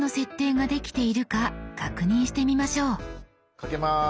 かけます。